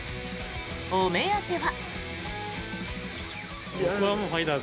お目当ては。